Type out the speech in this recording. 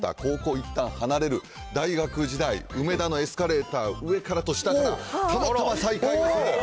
いったん離れる、大学時代、梅田のエスカレーター、上からと下から、たまたま再会する。